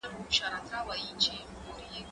زه بايد ليکنه وکړم؟